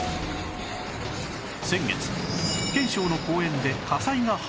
先月福建省の公園で火災が発生